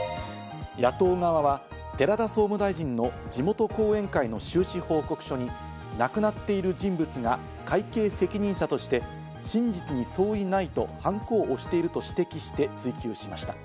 野党側は寺田総務大臣の地元後援会の収支報告書に亡くなっている人物が会計責任者として真実に相違ないとハンコを押していると指摘して追及しました。